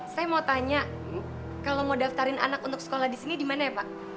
saya mau tanya kalau mau daftarin anak untuk sekolah di sini di mana ya pak